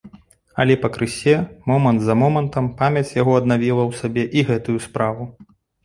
Але пакрысе, момант за момантам, памяць яго аднавіла ў сабе і гэтую справу.